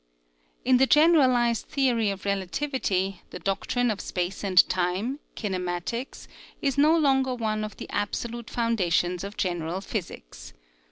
In the generalized theory of relativity, the doctrine of space and time, kinematics, is no longer one of the absolute foundations of gen eral physics.